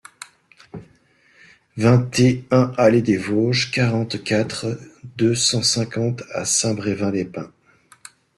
vingt et un allée des Vosges, quarante-quatre, deux cent cinquante à Saint-Brevin-les-Pins